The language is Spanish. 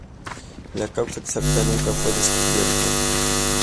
La causa exacta nunca fue descubierta.